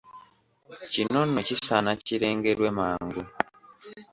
Kino nno kisaana kirengerwe mangu.